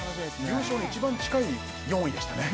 優勝に一番近い４位でしたね